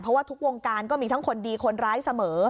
เพราะว่าทุกวงการก็มีทั้งคนดีคนร้ายเสมอ